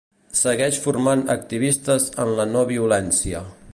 Segueix formant activistes en la no-violència.